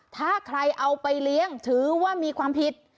ถ้าใครเอาไปเลี้ยงถือว่ามีความผิด